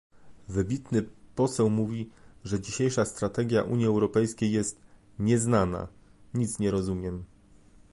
wybitny poseł mówi, że dzisiejsza strategia Unii Europejskiej jest "nieznana", nic nie rozumiem